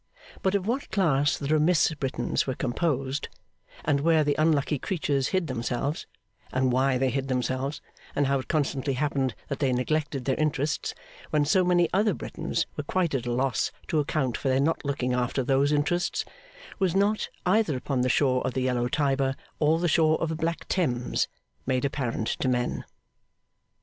But of what class the remiss Britons were composed, and where the unlucky creatures hid themselves, and why they hid themselves, and how it constantly happened that they neglected their interests, when so many other Britons were quite at a loss to account for their not looking after those interests, was not, either upon the shore of the yellow Tiber or the shore of the black Thames, made apparent to men.